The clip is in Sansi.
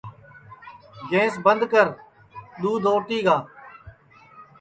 گیںٚس بند کر دؔودھ اوٹی گا